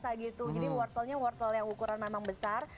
kayak gitu jadi wortelnya wortel yang ukuran memang besar